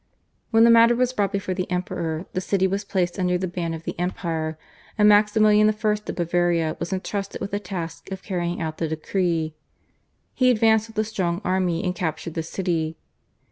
When the matter was brought before the Emperor the city was placed under the ban of the empire, and Maximilian I. of Bavaria was entrusted with the task of carrying out the decree. He advanced with a strong army and captured the city.